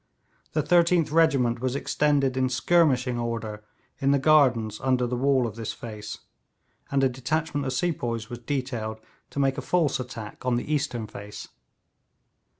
The 13th regiment was extended in skirmishing order in the gardens under the wall of this face, and a detachment of sepoys was detailed to make a false attack on the eastern face.